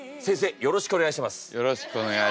よろしくお願いします。